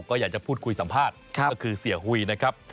ก็อยากจะพูดคุยสัมภาษณ์ก็คือเสียหุยนะครับ